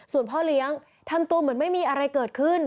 ส่วนพ่อเลี้ยงทำตัวเหมือนไม่มีอะไรเกิดขึ้น